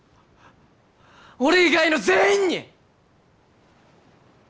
俺以外の全員に！